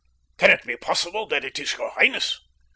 Can it be possible that it is your highness?"